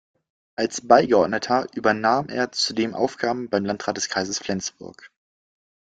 Als Beigeordneter übernahm er zudem Aufgaben beim Landrat des Kreises Flensburg.